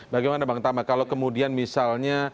bagaimana bang tama kalau kemudian misalnya